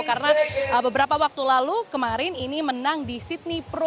karena beberapa waktu lalu kemarin ini menang di sydney pro dua ribu dua puluh dua